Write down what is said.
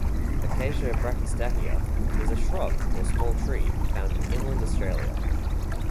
"Acacia brachystachya" is a shrub or small tree found in inland Australia.